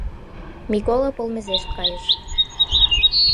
Микола полмезешт кайыш.